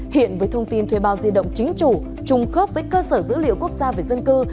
hiện với thông tin thuê bao di động chính chủ trùng khớp với cơ sở dữ liệu quốc gia về dân cư